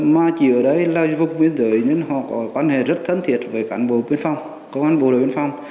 mà chỉ ở đây là vụ viên giới nhưng họ có quan hệ rất thân thiệt với cán bộ biên phong công an bộ đối biên phong